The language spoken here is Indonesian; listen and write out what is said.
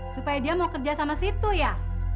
supaya dia mau kerja sama situ ya